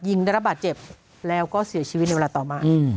ได้รับบาดเจ็บแล้วก็เสียชีวิตในเวลาต่อมา